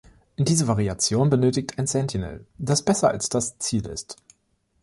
Diese Variation benötigt ein Sentinel, das besser als das Ziel ist.